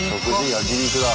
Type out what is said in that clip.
焼き肉だ。